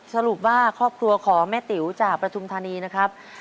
สรุปว่าครอบครัวของแม่ติ๋วจากประทุมธานีนะครับ